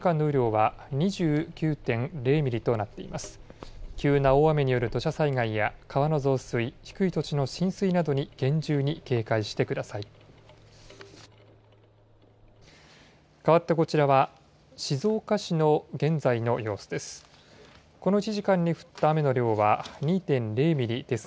かわって、こちらは静岡市の現在の様子です。